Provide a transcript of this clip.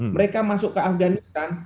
mereka masuk ke afghanistan